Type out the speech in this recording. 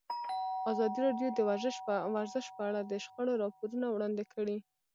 ازادي راډیو د ورزش په اړه د شخړو راپورونه وړاندې کړي.